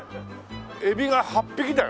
エビが８匹だよ。